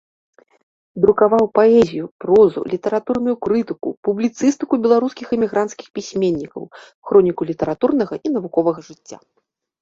Друкаваў паэзію, прозу, літаратурную крытыку, публіцыстыку беларускіх эмігранцкіх пісьменнікаў, хроніку літаратурнага і навуковага жыцця.